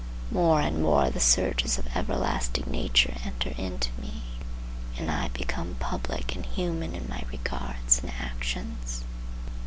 More and more the surges of everlasting nature enter into me, and I become public and human in my regards and actions.